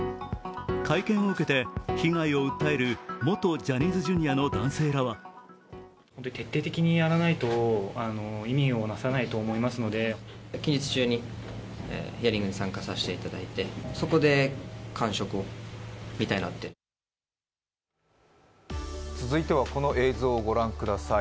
会見を受けて被害を訴える元ジャニーズＪｒ．の男性らは続いてはこの映像をご覧ください。